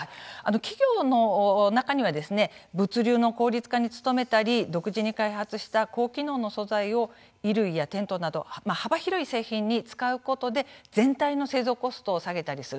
企業の中には物流の効率化に努めたり独自に開発した高機能の素材を衣類やテントなど幅広い製品に使うことで全体の製造コストを下げたりする。